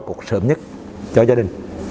cục sớm nhất cho gia đình